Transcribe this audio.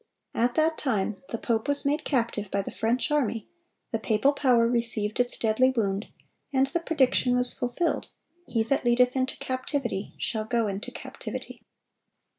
At that time, the pope was made captive by the French army, the papal power received its deadly wound, and the prediction was fulfilled, "He that leadeth into captivity shall go into captivity."